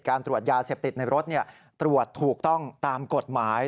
การตรวจยาเสพติดในรถตรวจถูกต้องตามกฎหมาย